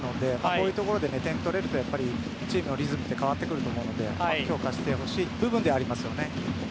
こういうところで点を取れるとチームのリズムは変わってくると思うので評価してほしい部分ですね。